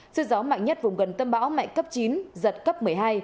sự gió mạnh nhất vùng gần tâm báo mạnh cấp chín giật cấp một mươi hai